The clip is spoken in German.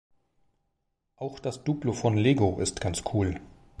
Auch das Duplo von Lego ist ganz cool.